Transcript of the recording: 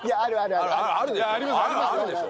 あるでしょ？